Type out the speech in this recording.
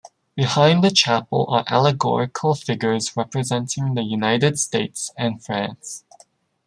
Behind the chapel are allegorical figures representing the United States and France.